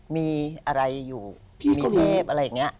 มีอะไรอยู่มีเทพอะไรอย่างนี้